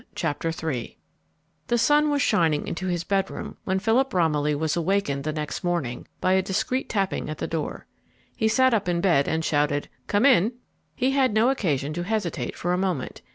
CHAPTER III The sun was shining into his bedroom when Philip Romilly was awakened the next morning by a discreet tapping at the door. He sat up in bed and shouted "Come in." He had no occasion to hesitate for a moment.